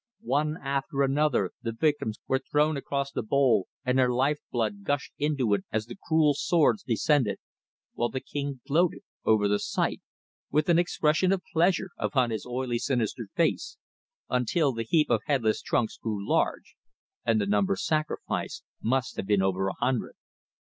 One after another the victims were thrown across the bowl and their life blood gushed into it as the cruel swords descended, while the King gloated over the sight with an expression of pleasure upon his oily sinister face, until the heap of headless trunks grew large, and the number sacrificed must have been over a hundred.